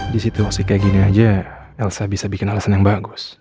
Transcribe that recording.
di situ masih kayak gini aja elsa bisa bikin alasan yang bagus